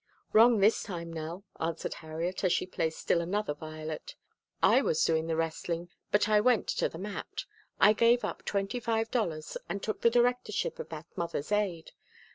"Wrong this time, Nell," answered Harriet, as she placed still another violet. "I was doing the wrestling, but I went to the mat. I gave up twenty five dollars and took the directorship of that Mothers' Aid.